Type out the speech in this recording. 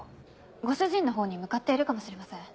ご主人のほうに向かっているかもしれません。